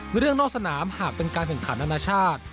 เรื่องนอกสนามหากเป็นการแข่งขันอนาชาติ